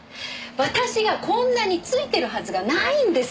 私がこんなにツイてるはずがないんです！